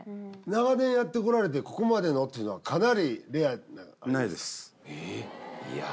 長年やってこられてここまでのっていうのはかなりレアなええっいや